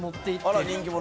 あらっ人気者。